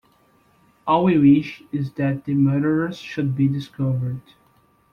All we wish is that the murderers should be discovered.